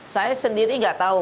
saya sendiri gak tau